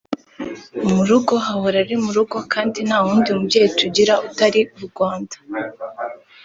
mu rugo hahora ari mu rugo kandi nta wundi mubyeyi tugira utari u Rwanda